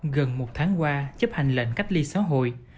gần một tháng qua chấp hành lệnh cách ly xã hội